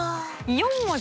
４文字？